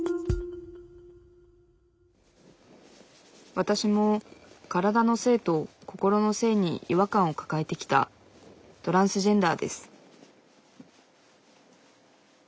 わたしも体の性と心の性に違和感を抱えてきたトランスジェンダーです